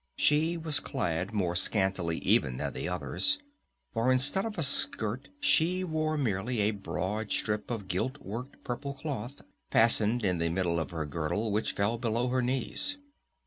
She was clad more scantily even than the others; for instead of a skirt she wore merely a broad strip of gilt worked purple cloth fastened to the middle of her girdle which fell below her knees.